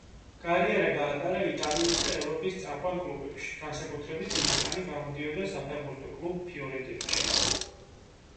კარიერა გაატარა იტალიის და ევროპის წამყვან კლუბებში, განსაკუთრებით დიდი ხანი გამოდიოდა საფეხბურთო კლუბ ფიორენტინაში.